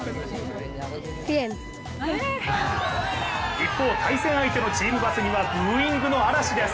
一方、対戦相手のチームバスにはブーイングの嵐です。